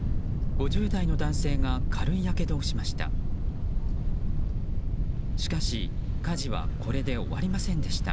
５０代の男性が軽いやけどをしました。